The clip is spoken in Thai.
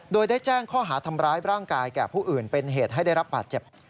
โดยได้แจ้งข้อหาทำร้ายร่างกายแก่ผู้อื่นเป็นเหตุให้ได้รับบาดเจ็บ